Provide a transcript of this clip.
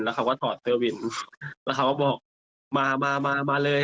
เขาก็ถอดเสื้อวินแล้วเขาก็บอกมามาเลย